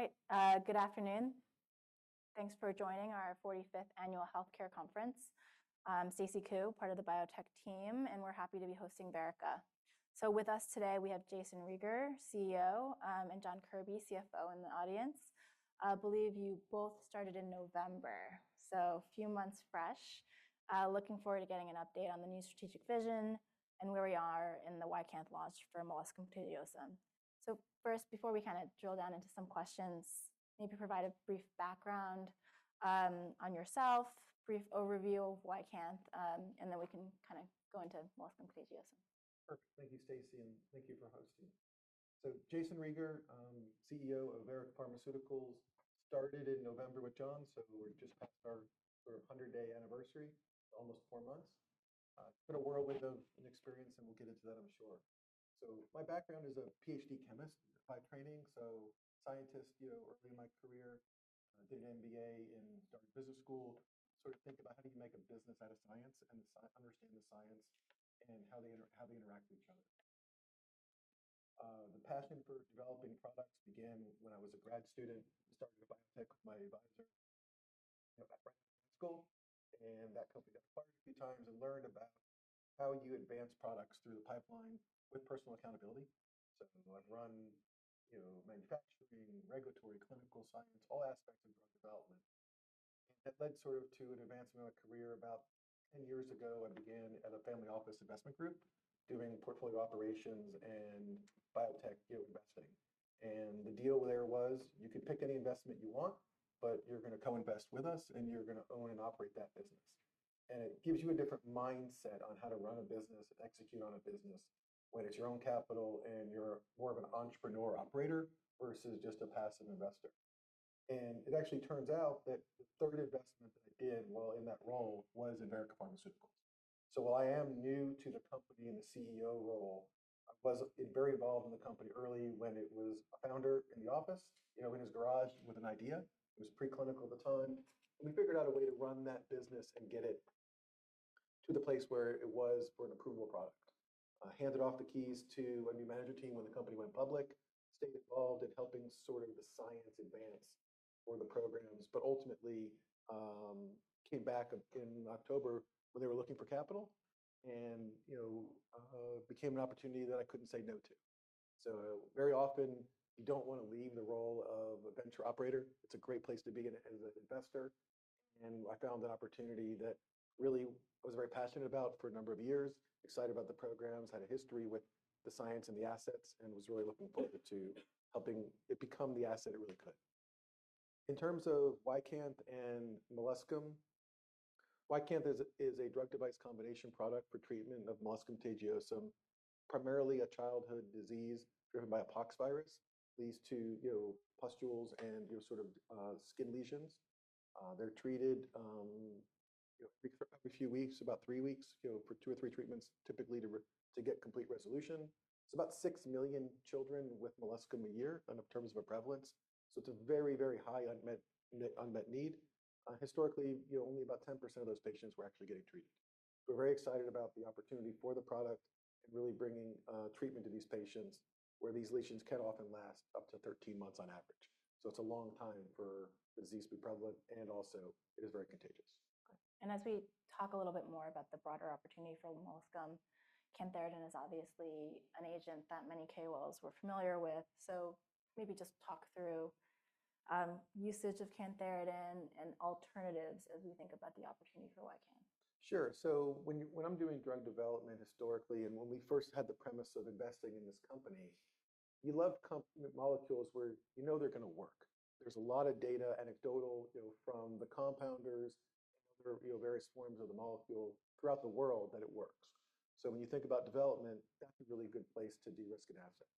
All right. Good afternoon. Thanks for joining our 45th Annual Healthcare Conference. I'm Stacy Ku, part of the biotech team, and we're happy to be hosting Verrica. With us today, we have Jayson Rieger, CEO, and John Kirby, CFO, in the audience. I believe you both started in November, so a few months fresh. Looking forward to getting an update on the new strategic vision and where we are in the YCANTH launch for molluscum contagiosum. First, before we kind of drill down into some questions, maybe provide a brief background on yourself, brief overview of YCANTH, and then we can kind of go into molluscum contagiosum. Perfect. Thank you, Stacy, and thank you for hosting. Jayson Rieger, CEO of Verrica Pharmaceuticals, started in November with John, so we're just past our sort of 100-day anniversary, almost four months. Quite a whirlwind of experience, and we'll get into that, I'm sure. My background is a PhD chemist by training, so scientist, you know, early in my career, did an MBA and started business school, sort of thinking about how do you make a business out of science and understand the science and how they interact with each other. The passion for developing products began when I was a grad student. I started a biotech with my advisor back in high school, and that company got fired a few times and learned about how you advance products through the pipeline with personal accountability. I've run manufacturing, regulatory, clinical science, all aspects of drug development. That led sort of to an advancement of my career. About 10 years ago, I began at a family office investment group doing portfolio operations and biotech investing. The deal there was you could pick any investment you want, but you're going to co-invest with us, and you're going to own and operate that business. It gives you a different mindset on how to run a business and execute on a business when it's your own capital and you're more of an entrepreneur operator versus just a passive investor. It actually turns out that the third investment that I did while in that role was in Verrica Pharmaceuticals. While I am new to the company and the CEO role, I was very involved in the company early when it was a founder in the office, you know, in his garage with an idea. It was preclinical at the time. We figured out a way to run that business and get it to the place where it was for an approval product. I handed off the keys to a new manager team when the company went public, stayed involved in helping sort of the science advance for the programs, but ultimately came back in October when they were looking for capital and, you know, became an opportunity that I couldn't say no to. Very often, you don't want to leave the role of a venture operator. It's a great place to be as an investor. I found the opportunity that really I was very passionate about for a number of years, excited about the programs, had a history with the science and the assets, and was really looking forward to helping it become the asset it really could. In terms of YCANTH and molluscum, YCANTH is a drug-device combination product for treatment of molluscum contagiosum, primarily a childhood disease driven by a poxvirus. It leads to pustules and sort of skin lesions. They're treated every few weeks, about three weeks, for two or three treatments, typically to get complete resolution. It's about 6 million children with molluscum a year in terms of a prevalence. It is a very, very high unmet need. Historically, only about 10% of those patients were actually getting treated. We're very excited about the opportunity for the product and really bringing treatment to these patients where these lesions can often last up to 13 months on average. It is a long time for the disease to be prevalent, and also it is very contagious. As we talk a little bit more about the broader opportunity for molluscum, cantharidin is obviously an agent that many KOLs were familiar with. Maybe just talk through usage of cantharidin and alternatives as we think about the opportunity for YCANTH. Sure. When I'm doing drug development historically, and when we first had the premise of investing in this company, you love molecules where you know they're going to work. There's a lot of data, anecdotal from the compounders and various forms of the molecule throughout the world, that it works. When you think about development, that's a really good place to de-risk an asset.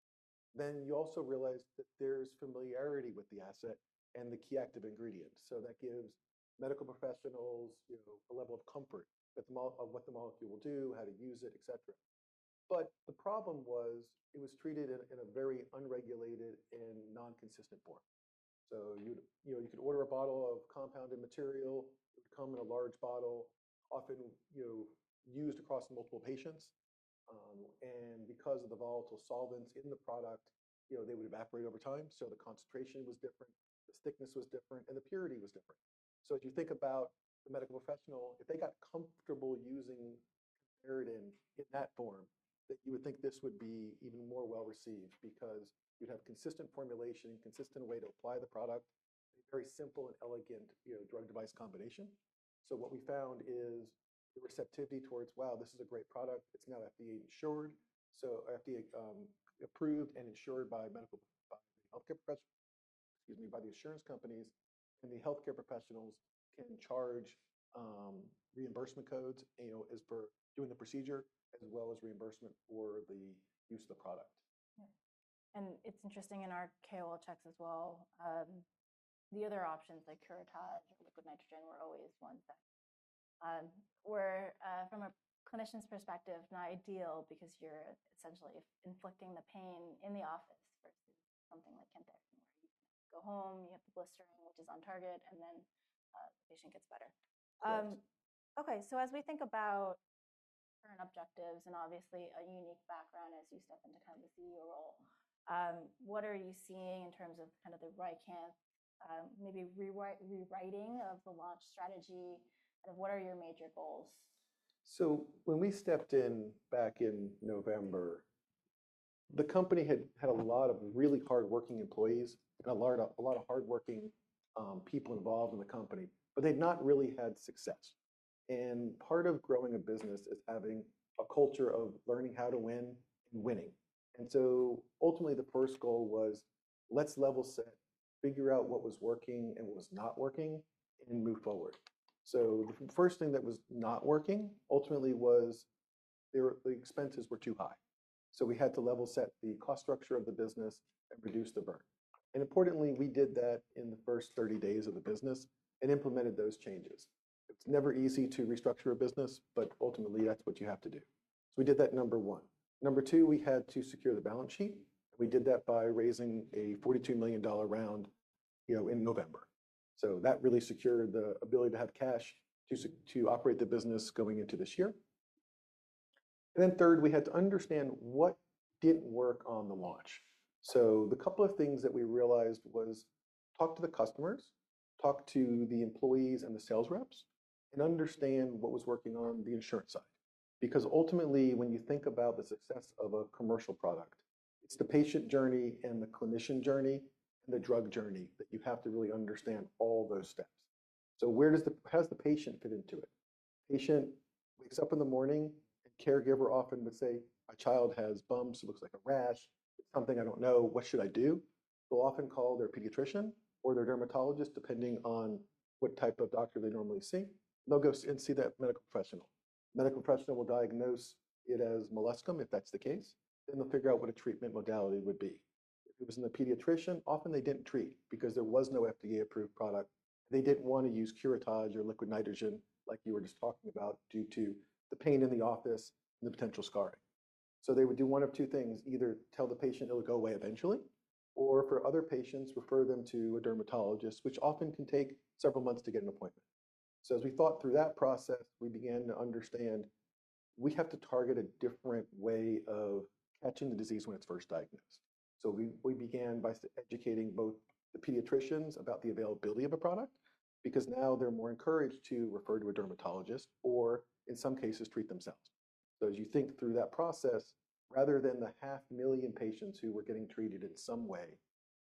You also realize that there's familiarity with the asset and the key active ingredient. That gives medical professionals a level of comfort with what the molecule will do, how to use it, et cetera. The problem was it was treated in a very unregulated and non-consistent form. You could order a bottle of compounded material, it would come in a large bottle, often used across multiple patients. Because of the volatile solvents in the product, they would evaporate over time, so the concentration was different, the thickness was different, and the purity was different. As you think about the medical professional, if they got comfortable using cantharidin in that form, then you would think this would be even more well received because you would have consistent formulation, consistent way to apply the product, a very simple and elegant drug-device combination. What we found is the receptivity towards, wow, this is a great product. It is now FDA-approved and insured by medical professionals, excuse me, by the insurance companies, and the healthcare professionals can charge reimbursement codes as for doing the procedure as well as reimbursement for the use of the product. Yeah. It's interesting in our KOL checks as well, the other options like curettage or liquid nitrogen were always ones that were from a clinician's perspective, not ideal because you're essentially inflicting the pain in the office versus something like cantharidin where you go home, you have the blistering, which is on target, and then the patient gets better. Okay. As we think about current objectives and obviously a unique background as you step into kind of the CEO role, what are you seeing in terms of kind of the YCANTH maybe rewriting of the launch strategy? What are your major goals? When we stepped in back in November, the company had a lot of really hardworking employees and a lot of hardworking people involved in the company, but they'd not really had success. Part of growing a business is having a culture of learning how to win and winning. Ultimately, the first goal was, let's level set, figure out what was working and what was not working, and move forward. The first thing that was not working ultimately was the expenses were too high. We had to level set the cost structure of the business and reduce the burn. Importantly, we did that in the first 30 days of the business and implemented those changes. It's never easy to restructure a business, but ultimately, that's what you have to do. We did that number one. Number two, we had to secure the balance sheet. We did that by raising a $42 million round in November. That really secured the ability to have cash to operate the business going into this year. Third, we had to understand what did not work on the launch. The couple of things that we realized was talk to the customers, talk to the employees and the sales reps, and understand what was working on the insurance side. Because ultimately, when you think about the success of a commercial product, it is the patient journey and the clinician journey and the drug journey that you have to really understand all those steps. Where does the patient fit into it? The patient wakes up in the morning, and caregiver often would say, "My child has bumps. It looks like a rash. It is something I do not know. What should I do?" They'll often call their pediatrician or their dermatologist, depending on what type of doctor they normally see. They'll go and see that medical professional. The medical professional will diagnose it as molluscum if that's the case. They will figure out what a treatment modality would be. If it was in the pediatrician, often they did not treat because there was no FDA-approved product. They did not want to use curettage or liquid nitrogen like you were just talking about due to the pain in the office and the potential scarring. They would do one of two things. Either tell the patient it will go away eventually, or for other patients, refer them to a dermatologist, which often can take several months to get an appointment. As we thought through that process, we began to understand we have to target a different way of catching the disease when it's first diagnosed. We began by educating both the pediatricians about the availability of a product because now they're more encouraged to refer to a dermatologist or, in some cases, treat themselves. As you think through that process, rather than the 500,000 patients who were getting treated in some way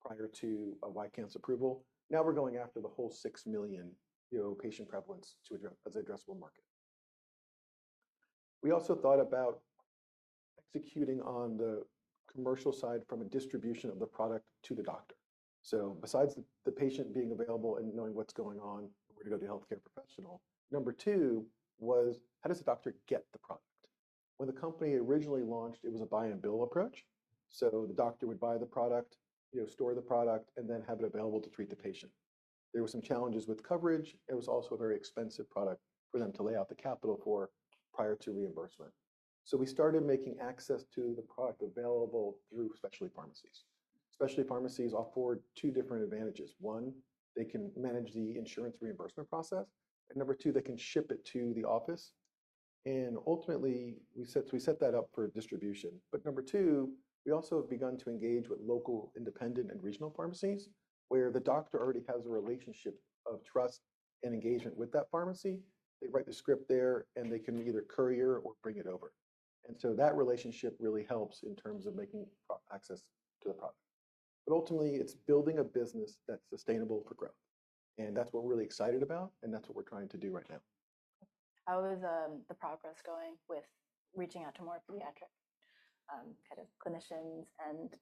prior to YCANTH's approval, now we're going after the whole 6 million patient prevalence as an addressable market. We also thought about executing on the commercial side from a distribution of the product to the doctor. Besides the patient being available and knowing what's going on, we're going to go to the healthcare professional. Number two was, how does the doctor get the product? When the company originally launched, it was a buy-and-bill approach. The doctor would buy the product, store the product, and then have it available to treat the patient. There were some challenges with coverage. It was also a very expensive product for them to lay out the capital for prior to reimbursement. We started making access to the product available through specialty pharmacies. Specialty pharmacies offer two different advantages. One, they can manage the insurance reimbursement process. Number two, they can ship it to the office. Ultimately, we set that up for distribution. Number two, we also have begun to engage with local independent and regional pharmacies where the doctor already has a relationship of trust and engagement with that pharmacy. They write the script there, and they can either courier or bring it over. That relationship really helps in terms of making access to the product. Ultimately, it's building a business that's sustainable for growth. That's what we're really excited about, and that's what we're trying to do right now. How is the progress going with reaching out to more pediatric kind of clinicians and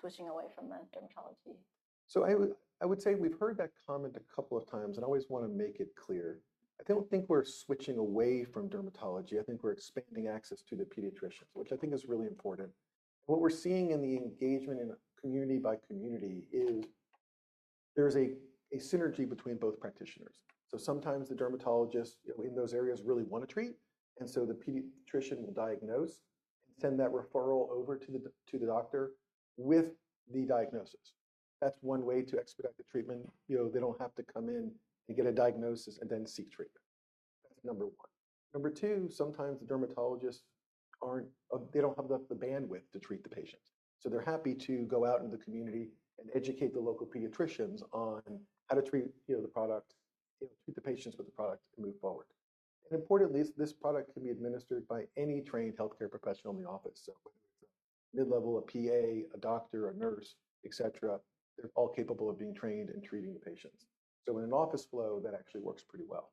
switching away from the dermatology? I would say we've heard that comment a couple of times, and I always want to make it clear. I don't think we're switching away from dermatology. I think we're expanding access to the pediatricians, which I think is really important. What we're seeing in the engagement in community by community is there's a synergy between both practitioners. Sometimes the dermatologists in those areas really want to treat, and the pediatrician will diagnose and send that referral over to the doctor with the diagnosis. That's one way to expedite the treatment. They don't have to come in and get a diagnosis and then seek treatment. That's number one. Number two, sometimes the dermatologists, they don't have the bandwidth to treat the patients. They're happy to go out into the community and educate the local pediatricians on how to treat the product, treat the patients with the product, and move forward. Importantly, this product can be administered by any trained healthcare professional in the office. Whether it's a mid-level, a PA, a doctor, a nurse, et cetera, they're all capable of being trained in treating the patients. In an office flow, that actually works pretty well.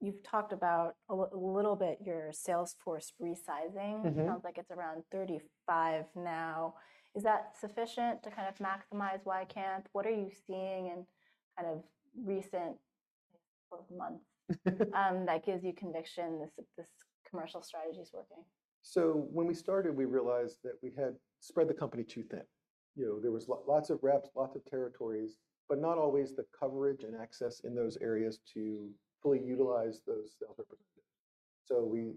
You've talked about a little bit your sales force resizing. It sounds like it's around 35 now. Is that sufficient to kind of maximize YCANTH? What are you seeing in kind of recent months that gives you conviction this commercial strategy is working? When we started, we realized that we had spread the company too thin. There were lots of reps, lots of territories, but not always the coverage and access in those areas to fully utilize those sales representatives. We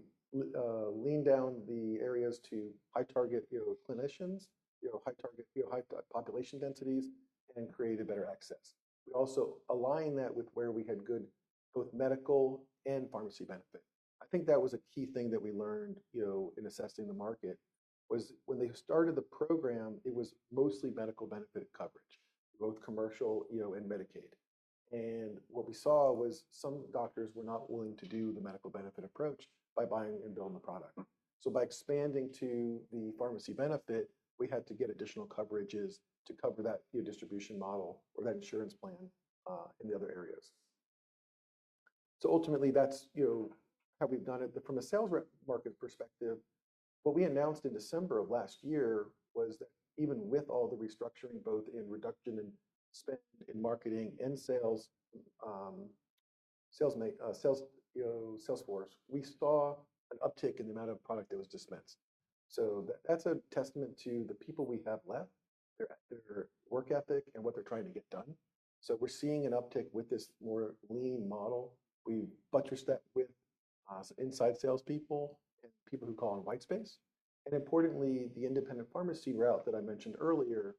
leaned down the areas to high-target clinicians, high-target population densities, and created better access. We also aligned that with where we had good both medical and pharmacy benefit. I think that was a key thing that we learned in assessing the market was when they started the program, it was mostly medical benefit coverage, both commercial and Medicaid. What we saw was some doctors were not willing to do the medical benefit approach by buying and billing the product. By expanding to the pharmacy benefit, we had to get additional coverages to cover that distribution model or that insurance plan in the other areas. Ultimately, that's how we've done it. From a sales rep market perspective, what we announced in December of last year was that even with all the restructuring, both in reduction and spend in marketing and sales force, we saw an uptick in the amount of product that was dispensed. That's a testament to the people we have left, their work ethic, and what they're trying to get done. We're seeing an uptick with this more lean model. We buttress that with inside salespeople and people who call on white space. Importantly, the independent pharmacy route that I mentioned earlier,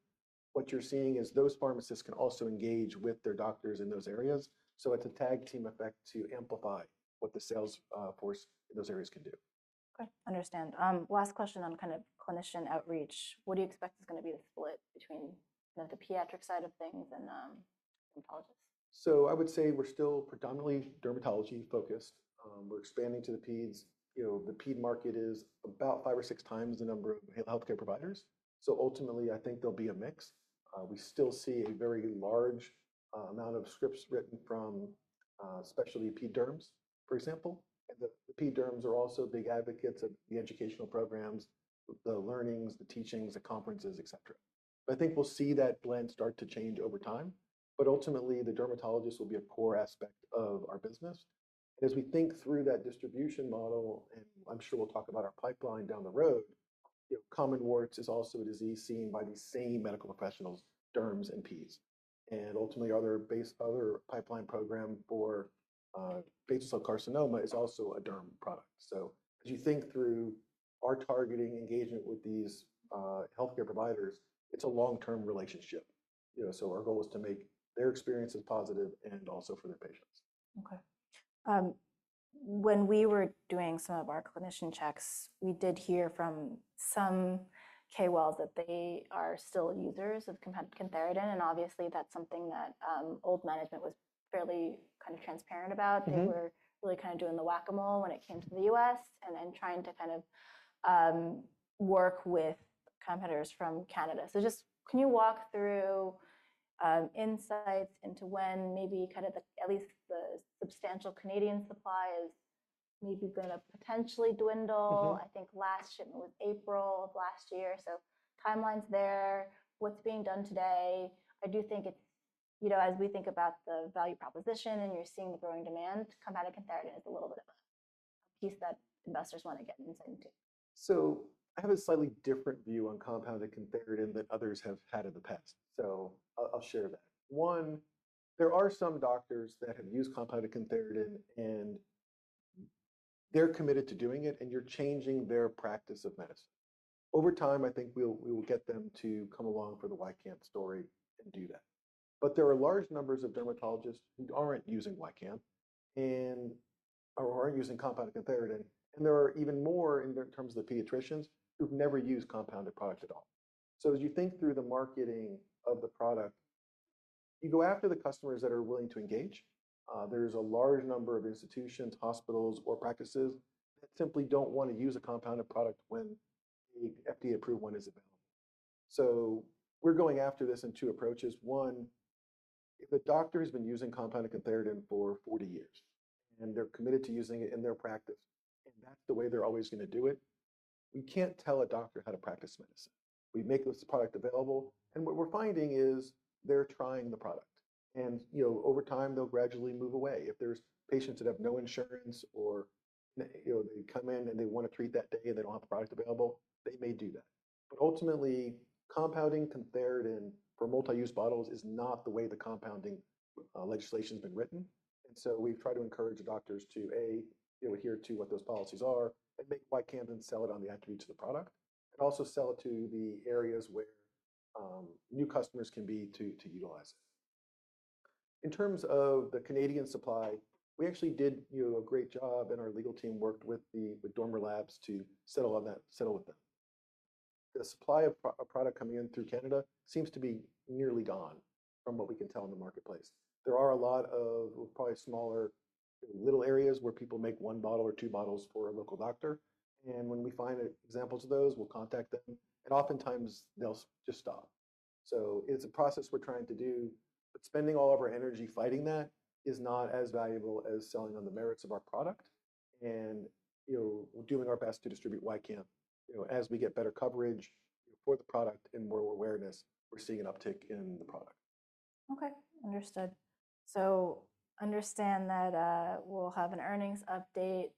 what you're seeing is those pharmacists can also engage with their doctors in those areas. It's a tag team effect to amplify what the sales force in those areas can do. Okay. Understand. Last question on kind of clinician outreach. What do you expect is going to be the split between the pediatric side of things and dermatologists? I would say we're still predominantly dermatology-focused. We're expanding to the peds. The ped market is about five or six times the number of healthcare providers. Ultimately, I think there'll be a mix. We still see a very large amount of scripts written from especially ped derms, for example. The ped derms are also big advocates of the educational programs, the learnings, the teachings, the conferences, et cetera. I think we'll see that blend start to change over time. Ultimately, the dermatologists will be a core aspect of our business. As we think through that distribution model, and I'm sure we'll talk about our pipeline down the road, common warts is also a disease seen by the same medical professionals, derms and peds. Ultimately, other pipeline program for basal cell carcinoma is also a derm product. As you think through our targeting engagement with these healthcare providers, it's a long-term relationship. Our goal is to make their experiences positive and also for their patients. Okay. When we were doing some of our clinician checks, we did hear from some KOLs that they are still users of cantharidin. Obviously, that's something that old management was fairly kind of transparent about. They were really kind of doing the whack-a-mole when it came to the U.S. and then trying to kind of work with competitors from Canada. Just can you walk through insights into when maybe kind of at least the substantial Canadian supply is maybe going to potentially dwindle? I think last shipment was April of last year. Timelines there, what's being done today. I do think as we think about the value proposition and you're seeing the growing demand, compounded cantharidin is a little bit of a piece that investors want to get into. I have a slightly different view on compounded cantharidin than others have had in the past. I'll share that. One, there are some doctors that have used compounded cantharidin, and they're committed to doing it, and you're changing their practice of medicine. Over time, I think we will get them to come along for the YCANTH story and do that. There are large numbers of dermatologists who aren't using YCANTH or aren't using compounded cantharidin. There are even more in terms of the pediatricians who've never used compounded products at all. As you think through the marketing of the product, you go after the customers that are willing to engage. There is a large number of institutions, hospitals, or practices that simply don't want to use a compounded product when an FDA-approved one is available. We're going after this in two approaches. One, if a doctor has been using compounded cantharidin for 40 years and they're committed to using it in their practice, and that's the way they're always going to do it, we can't tell a doctor how to practice medicine. We make this product available, and what we're finding is they're trying the product. Over time, they'll gradually move away. If there's patients that have no insurance or they come in and they want to treat that day and they don't have the product available, they may do that. Ultimately, compounding cantharidin for multi-use bottles is not the way the compounding legislation has been written. We have tried to encourage doctors to, A, adhere to what those policies are and make YCANTH and sell it on the attributes of the product, and also sell it to the areas where new customers can be to utilize it. In terms of the Canadian supply, we actually did a great job, and our legal team worked with Dormer Labs to settle with them. The supply of product coming in through Canada seems to be nearly gone from what we can tell in the marketplace. There are a lot of probably smaller, little areas where people make one bottle or two bottles for a local doctor. When we find examples of those, we'll contact them. Oftentimes, they'll just stop. It is a process we're trying to do. Spending all of our energy fighting that is not as valuable as selling on the merits of our product. We're doing our best to distribute YCANTH. As we get better coverage for the product and more awareness, we're seeing an uptick in the product. Okay. Understood. I understand that we'll have an earnings update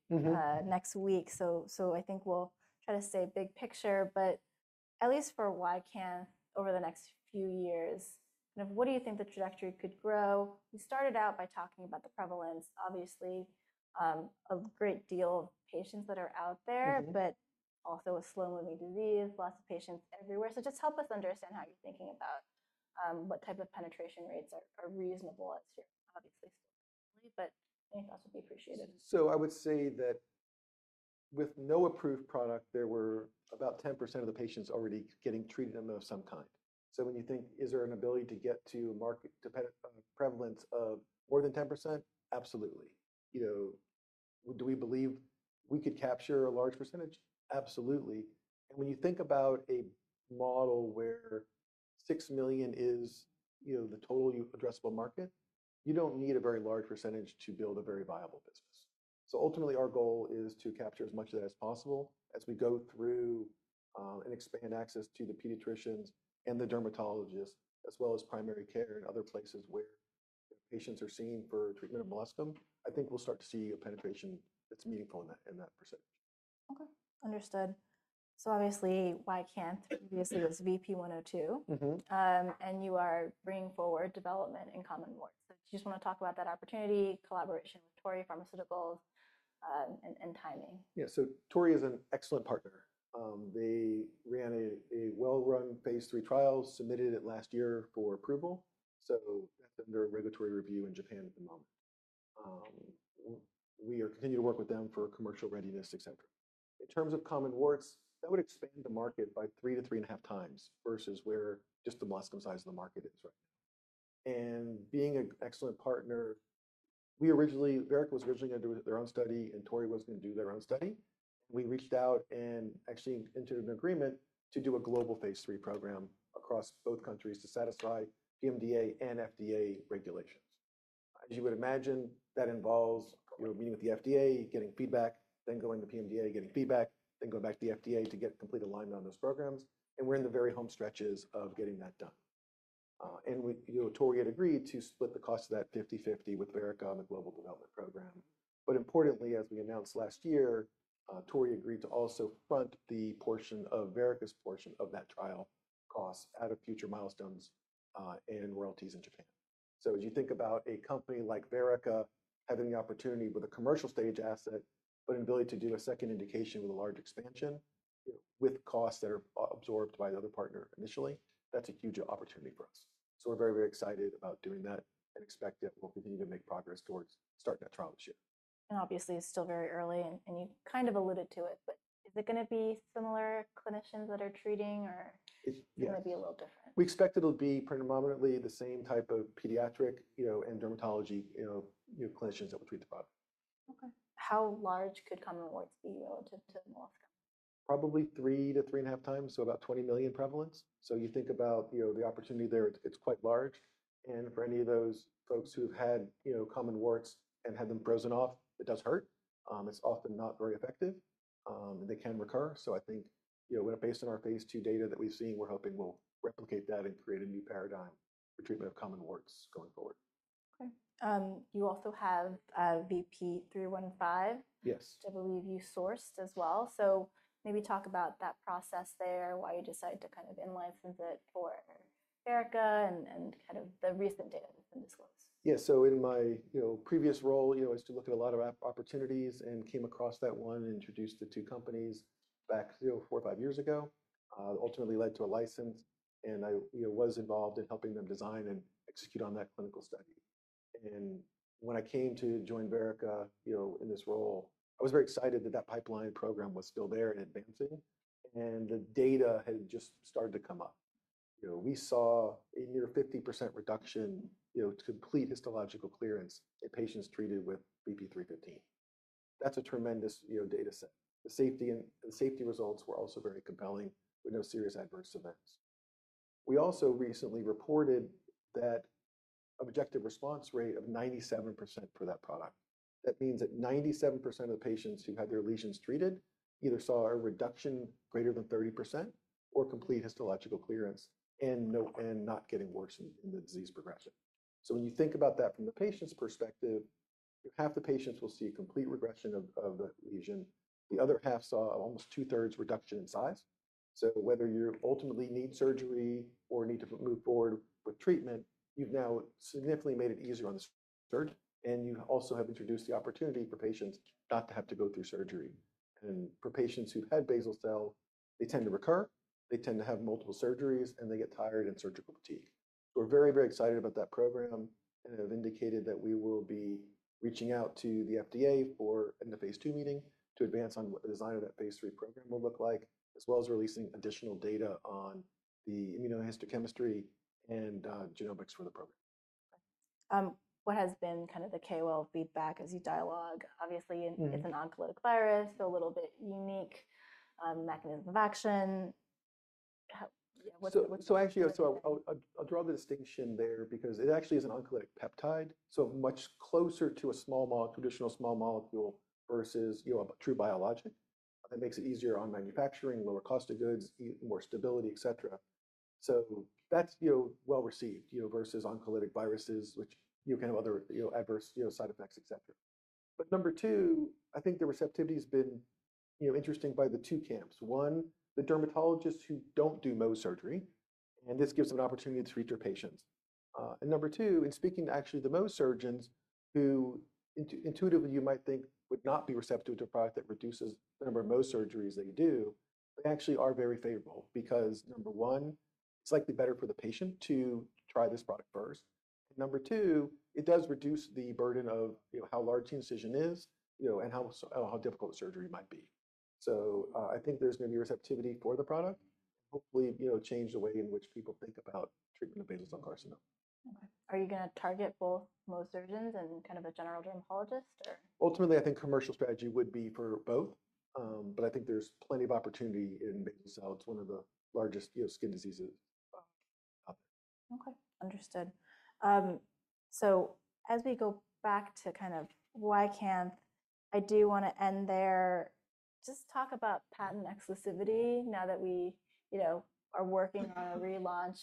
next week. I think we'll try to stay big picture, but at least for YCANTH over the next few years, kind of what do you think the trajectory could grow? We started out by talking about the prevalence, obviously, a great deal of patients that are out there, but also a slow-moving disease, lots of patients everywhere. Just help us understand how you're thinking about what type of penetration rates are reasonable. It's obviously still early, but any thoughts would be appreciated. I would say that with no approved product, there were about 10% of the patients already getting treated of some kind. When you think, is there an ability to get to a market prevalence of more than 10%? Absolutely. Do we believe we could capture a large percentage? Absolutely. When you think about a model where 6 million is the total addressable market, you do not need a very large percentage to build a very viable business. Ultimately, our goal is to capture as much of that as possible as we go through and expand access to the pediatricians and the dermatologists, as well as primary care and other places where patients are seen for treatment of molluscum. I think we will start to see a penetration that is meaningful in that percentage. Okay. Understood. Obviously, YCANTH previously was VP-102, and you are bringing forward development in common warts. Do you just want to talk about that opportunity, collaboration with Torii Pharmaceutical, and timing? Yeah. Torii is an excellent partner. They ran a well-run phase III trial, submitted it last year for approval. That is under regulatory review in Japan at the moment. We are continuing to work with them for commercial readiness, et cetera. In terms of common warts, that would expand the market by three to three and a half times versus where just the molluscum size of the market is right now. Being an excellent partner, Verrica was originally going to do their own study, and Torii was going to do their own study. We reached out and actually entered an agreement to do a global phase III program across both countries to satisfy PMDA and FDA regulations. As you would imagine, that involves meeting with the FDA, getting feedback, then going to PMDA, getting feedback, then going back to the FDA to get complete alignment on those programs. We're in the very home stretches of getting that done. Torii had agreed to split the cost of that 50/50 with Verrica on the global development program. Importantly, as we announced last year, Torii agreed to also front the portion of Verrica's portion of that trial costs out of future milestones and royalties in Japan. As you think about a company like Verrica having the opportunity with a commercial stage asset, but an ability to do a second indication with a large expansion with costs that are absorbed by the other partner initially, that's a huge opportunity for us. We're very, very excited about doing that and expect that we'll continue to make progress towards starting that trial this year. Obviously, it's still very early, and you kind of alluded to it, but is it going to be similar clinicians that are treating, or is it going to be a little different? We expect it will be predominantly the same type of pediatric and dermatology clinicians that will treat the product. Okay. How large could common warts be relative to molluscum? Probably three to three and a half times, so about 20 million prevalence. You think about the opportunity there, it's quite large. For any of those folks who have had common warts and had them frozen off, it does hurt. It's often not very effective, and they can recur. I think based on our phase II data that we've seen, we're hoping we'll replicate that and create a new paradigm for treatment of common warts going forward. Okay. You also have VP-315, which I believe you sourced as well. Maybe talk about that process there, why you decided to kind of enlighten it for Verrica and kind of the recent data that's been disclosed. Yeah. In my previous role, I used to look at a lot of opportunities and came across that one and introduced the two companies back four or five years ago. Ultimately, it led to a license, and I was involved in helping them design and execute on that clinical study. When I came to join Verrica in this role, I was very excited that that pipeline program was still there and advancing, and the data had just started to come up. We saw a near 50% reduction to complete histological clearance in patients treated with VP-315. That's a tremendous data set. The safety results were also very compelling with no serious adverse events. We also recently reported that objective response rate of 97% for that product. That means that 97% of the patients who had their lesions treated either saw a reduction greater than 30% or complete histological clearance and not getting worsened in the disease progression. When you think about that from the patient's perspective, half the patients will see a complete regression of the lesion. The other half saw almost two-thirds reduction in size. Whether you ultimately need surgery or need to move forward with treatment, you've now significantly made it easier on the surgeon, and you also have introduced the opportunity for patients not to have to go through surgery. For patients who've had basal cell, they tend to recur. They tend to have multiple surgeries, and they get tired and surgical fatigue. We're very, very excited about that program and have indicated that we will be reaching out to the FDA for the phase II meeting to advance on what the design of that phase III program will look like, as well as releasing additional data on the immunohistochemistry and genomics for the program. What has been kind of the KOL feedback as you dialogue? Obviously, it's an oncolytic virus, so a little bit unique mechanism of action. Actually, I'll draw the distinction there because it actually is an oncolytic peptide, so much closer to a traditional small molecule versus a true biologic. That makes it easier on manufacturing, lower cost of goods, more stability, et cetera. That's well received versus oncolytic viruses, which can have other adverse side effects, et cetera. Number two, I think the receptivity has been interesting by the two camps. One, the dermatologists who do not do Mohs surgery, and this gives them an opportunity to treat their patients. Number two, in speaking to the Mohs surgeons who intuitively you might think would not be receptive to a product that reduces the number of Mohs surgeries they do, they actually are very favorable because, number one, it is likely better for the patient to try this product first. It does reduce the burden of how large the incision is and how difficult the surgery might be. I think there's going to be receptivity for the product and hopefully change the way in which people think about treatment of basal cell carcinoma. Okay. Are you going to target both Mohs surgeons and kind of a general dermatologist, or? Ultimately, I think commercial strategy would be for both, but I think there's plenty of opportunity in basal cell. It's one of the largest skin diseases out there. Okay. Understood. As we go back to kind of YCANTH, I do want to end there. Just talk about patent exclusivity now that we are working on a relaunch.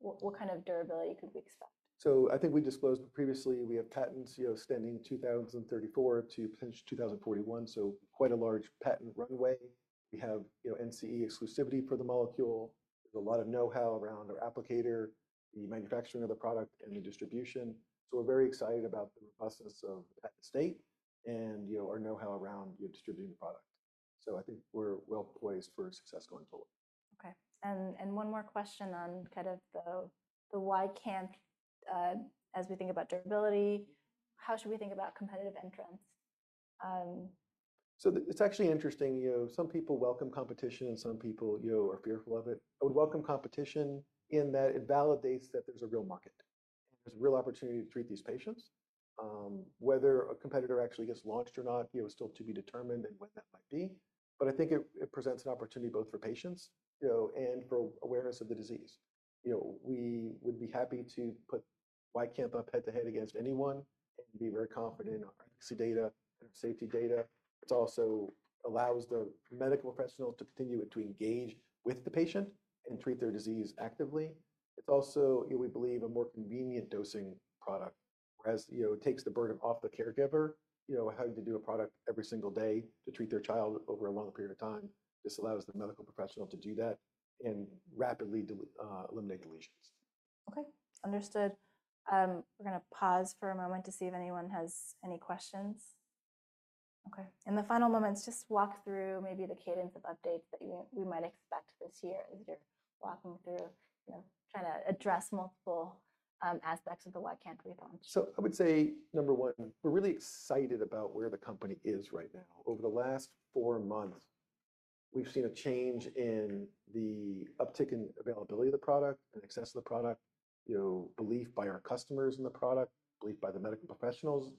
What kind of durability could we expect? I think we disclosed previously we have patents extending 2034 to potentially 2041, so quite a large patent runway. We have NCE exclusivity for the molecule. There's a lot of know-how around our applicator, the manufacturing of the product, and the distribution. We're very excited about the robustness of the patent state and our know-how around distributing the product. I think we're well poised for success going forward. Okay. And one more question on kind of the YCANTH, as we think about durability, how should we think about competitive entrance? It's actually interesting. Some people welcome competition, and some people are fearful of it. I would welcome competition in that it validates that there's a real market and there's a real opportunity to treat these patients. Whether a competitor actually gets launched or not is still to be determined and when that might be. I think it presents an opportunity both for patients and for awareness of the disease. We would be happy to put YCANTH up head-to-head against anyone and be very confident in our data and our safety data. It also allows the medical professionals to continue to engage with the patient and treat their disease actively. It's also, we believe, a more convenient dosing product, whereas it takes the burden off the caregiver. Having to do a product every single day to treat their child over a long period of time just allows the medical professional to do that and rapidly eliminate the lesions. Okay. Understood. We're going to pause for a moment to see if anyone has any questions. Okay. In the final moments, just walk through maybe the cadence of updates that we might expect this year as you're walking through, trying to address multiple aspects of the YCANTH rebound. I would say, number one, we're really excited about where the company is right now. Over the last four months, we've seen a change in the uptick in availability of the product and access to the product, belief by our customers in the product, belief by the medical professionals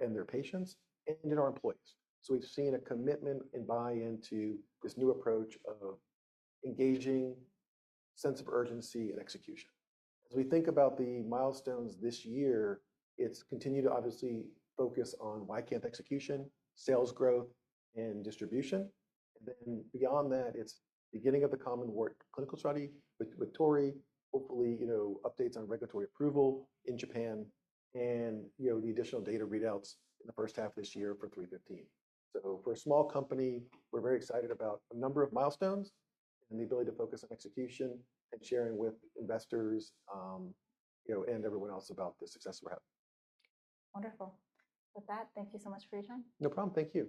and their patients, and in our employees. We've seen a commitment and buy-in to this new approach of engaging, sense of urgency, and execution. As we think about the milestones this year, it's continued to obviously focus on YCANTH execution, sales growth, and distribution. Beyond that, it's beginning of the common wart clinical study with Torii, hopefully updates on regulatory approval in Japan, and the additional data readouts in the first half of this year for VP-315. For a small company, we're very excited about a number of milestones and the ability to focus on execution and sharing with investors and everyone else about the success we're having. Wonderful. With that, thank you so much for your time. No problem. Thank you.